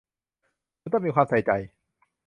คุณต้องมีความใส่ใจ